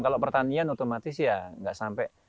kalau pertanian otomatis ya nggak sampai